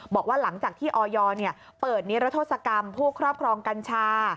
บอกว่าหลังจากที่ออยเปิดนิรโทษกรรมผู้ครอบครองกัญชา